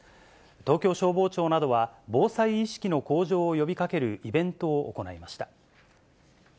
東京消防庁などは、防災意識の向上を呼びかけるイベントを行いました。